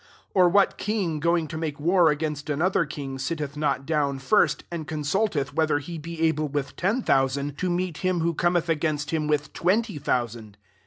31 Or what king, going to make war against another king, sitteth not down, first, and con stilteth whether he be able with ten thousand to meet him who Cometh against him with twenty thousand